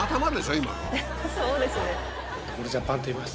そうですね。